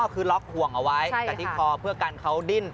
คือล็อกห่วงเอาไว้แต่ที่คอเพื่อกันเขาดิ้น